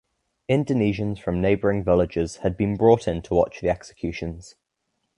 Indonesians from neighboring villages had been brought in to watch the executions.